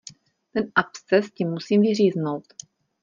Ten absces ti musím vyříznout.